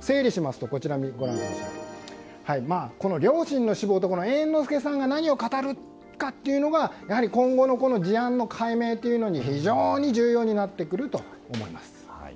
整理しますと両親の死亡と猿之助さんが何を語るかというのがやはり今後の事案の解明に非常に重要になってくると思います。